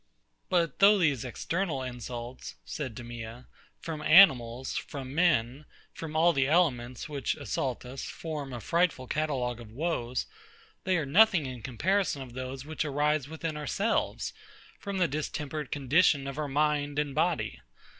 But though these external insults, said DEMEA, from animals, from men, from all the elements, which assault us, form a frightful catalogue of woes, they are nothing in comparison of those which arise within ourselves, from the distempered condition of our mind and body.